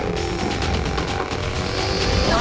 โอ้โฮ